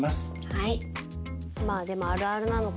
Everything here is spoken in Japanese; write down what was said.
はい。